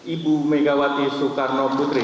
ibu megawati soekarno putri